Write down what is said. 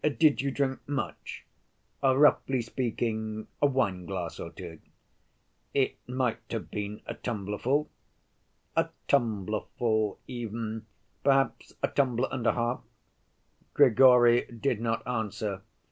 "Did you drink much? Roughly speaking, a wine‐glass or two?" "It might have been a tumbler‐full." "A tumbler‐full, even. Perhaps a tumbler and a half?" Grigory did not answer.